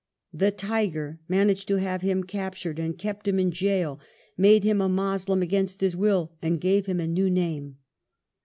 The Tiger managed to have him captured, kept him in gaol, made him a Moslem against his will, and gave him a new name.